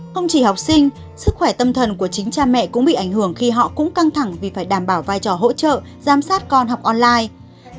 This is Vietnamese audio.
không chỉ học sinh sức khỏe tâm thần của chính cha mẹ cũng bị ảnh hưởng khi họ cũng căng thẳng vì phải đảm bảo vai trò hỗ trợ giám sát con học online